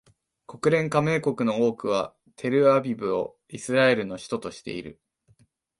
国連加盟国の多くはテルアビブをイスラエルの首都としている